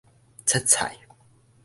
切菜